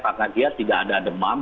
karena dia tidak ada demam